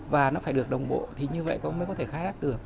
và nó phải được đồng bộ thì như vậy cũng mới có thể khai thác được